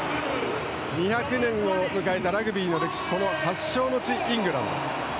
２００年を迎えたラグビーの歴史その発祥の地、イングランド。